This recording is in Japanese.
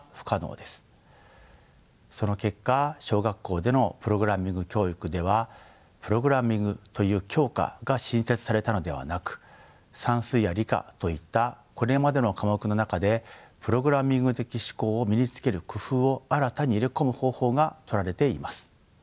その結果小学校でのプログラミング教育ではプログラミングという教科が新設されたのではなく算数や理科といったこれまでの科目の中でプログラミング的思考を身につける工夫を新たに入れ込む方法がとられています。